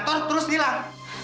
katol terus hilang